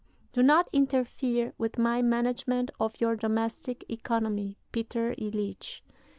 Do not interfere with my management of your domestic economy, Peter Iljitsch."